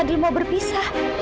kamila minta berpisah dengan fadil